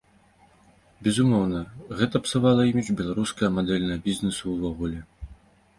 Безумоўна, гэта псавала імідж беларускага мадэльнага бізнесу ўвогуле.